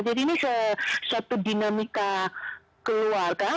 jadi ini satu dinamika keluarga